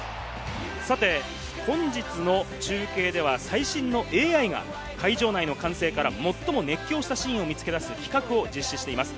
さて本日の中継では、最新のＡＩが会場内の歓声から最も熱狂したシーンを見つけ出す企画を実施しています。